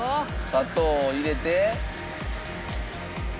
砂糖を入れて。